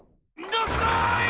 どすこい！